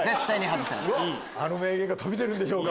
あの名言飛び出るんでしょうか？